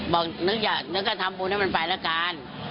บอกนึกว่าทำบุญนี้มันไปแล้วกัน